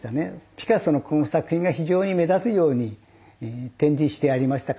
ピカソのこの作品が非常に目立つように展示してありましたからね。